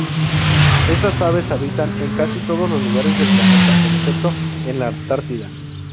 Estas aves habitan en casi todos los lugares del planeta, excepto en la Antártida.